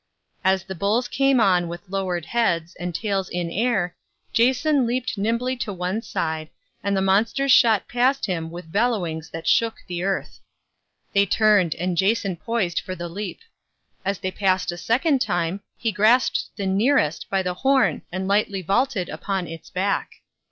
As the bulls came on with lowered heads, and tails in air, Jason leaped nimbly to one side, and the monsters shot past him with bellowings that shook the earth. They turned and Jason poised for the leap. As they passed a second time, he grasped the nearest by the horn and lightly vaulted upon its back.